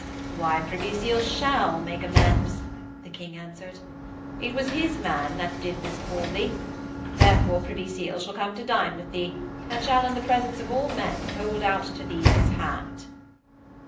'Why, Privy Seal shall make amends,' the King answered. 'It was his man that did miscall thee. Therefore, Privy Seal shall come to dine with thee, and shall, in the presence of all men, hold out to thee his hand.'